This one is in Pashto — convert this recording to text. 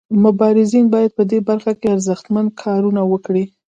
مبارزین باید په دې برخه کې ارزښتمن کارونه وکړي.